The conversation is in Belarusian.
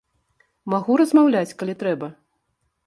Магу размаўляць, калі трэба.